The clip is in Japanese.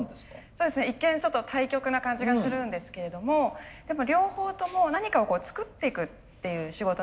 そうですね一見ちょっと対極な感じがするんですけれどもやっぱ両方とも何かを作っていくっていう仕事なんですよね。